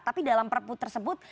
tapi dalam prpu tersebut